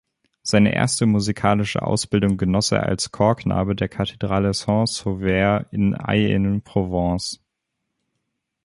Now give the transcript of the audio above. Seine erste musikalische Ausbildung genoss er als Chorknabe der Kathedrale Saint-Sauveur in Aix-en-Provence.